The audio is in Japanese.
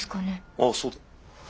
ああそうだ。